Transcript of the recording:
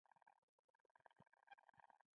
د سیاسي او جهادي تصمیمونو په نیولو کې ځیرک وو.